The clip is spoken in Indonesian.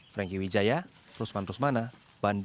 franky wijaya rusman rusmana